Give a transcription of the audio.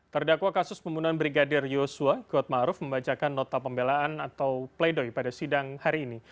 terdakwa kasus pembunuhan brigadir yosua kuatmaruf membacakan nota pembelaan atau pleidoy pada sidang hari ini